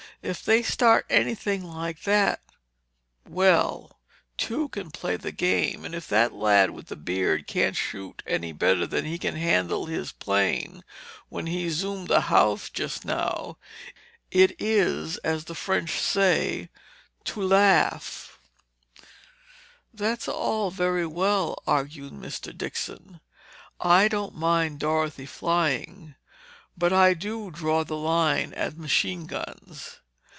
If they start anything like that—well—two can play the game and if that lad with the beard can't shoot any better than he handled his plane when he zoomed the house just now—it is, as the French say, 'to laugh'!" "That's all very well," argued Mr. Dixon. "I don't mind Dorothy flying, but I do draw the line at machine guns.